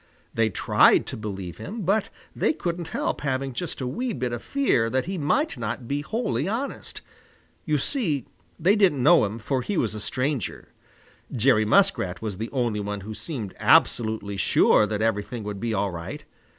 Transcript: They tried to believe him, but they couldn't help having just a wee bit of fear that he might not be wholly honest. You see, they didn't know him, for he was a stranger. Jerry Muskrat was the only one who seemed absolutely sure that everything would be all right.